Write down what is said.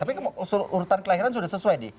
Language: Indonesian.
tapi urutan kelahiran sudah sesuai nih